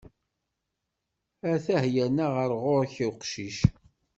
Atah yerna ɣer ɣur-k uqcic.